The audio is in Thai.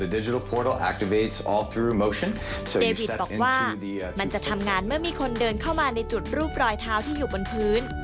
เดวิดบอกว่ามันจะทำงานเมื่อมีคนเดินเข้ามาในจุดรูปรอยเท้าที่อยู่บนพื้น